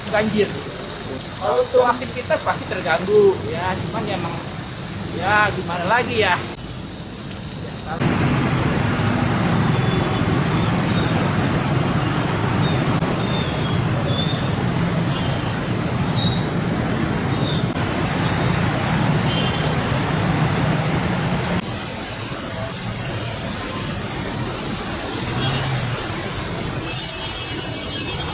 ganjir kalau itu aktivitas pasti terganggu ya cuman emang ya gimana lagi ya kalau